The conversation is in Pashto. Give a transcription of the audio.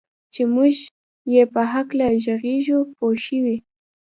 چې موږ یې په هکله ږغېږو پوه شوې!.